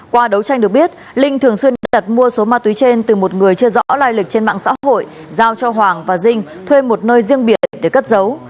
qua đấu tranh được biết linh thường xuyên đặt mua số ma túy trên từ một người chưa rõ lai lịch trên mạng xã hội giao cho hoàng và dinh thuê một nơi riêng biệt để cất giấu